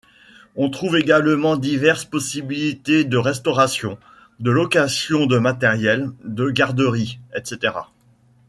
On trouve également diverses possibilités de restauration, de location de matériel, de garderie, etc.